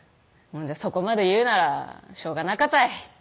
「そこまで言うならしょうがなかたい」